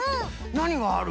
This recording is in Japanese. なにがある？